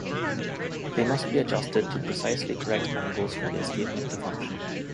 They must be adjusted to precisely correct angles for the escapement to function.